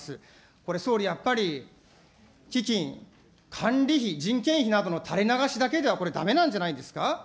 これ、総理、やっぱり基金、管理費、人件費などのたれ流しだけではだめなんじゃないですか。